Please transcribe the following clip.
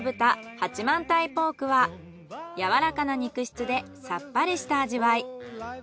八幡平ポークは柔らかな肉質でさっぱりした味わい。